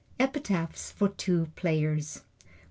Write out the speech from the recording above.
Epitaphs for Two Players I.